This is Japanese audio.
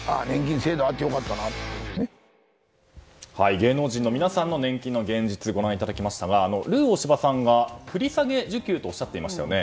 芸能人の皆さんの年金の現実ご覧いただきましたがルー大柴さんが繰り下げ受給とおっしゃっていましたよね。